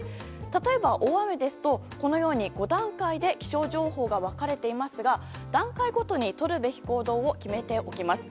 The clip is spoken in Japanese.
例えば、大雨ですとこのように５段階で気象情報が分かれていますが段階ごとにとるべき行動を決めておきます。